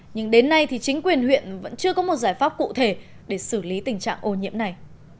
nhưng đến nay thì chính quyền huyện vẫn chưa có một giải pháp cụ thể để xử lý tình trạng ô nhiễm này